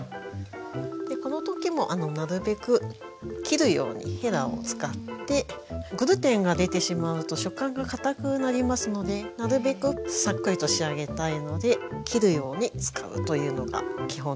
この時もなるべく切るようにへらを使ってグルテンが出てしまうと食感がかたくなりますのでなるべくサックリと仕上げたいので切るように使うというのが基本ですね。